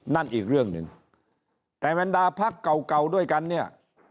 นั่นอีกเรื่องหนึ่งแต่แมนดาภักด์เก่าด้วยกันเนี่ย